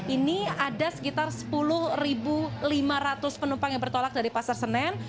ini ada sekitar sepuluh lima ratus penumpang yang bertolak dari pasar senen